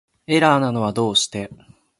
エラーなのはどうして